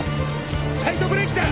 サイドブレーキだ！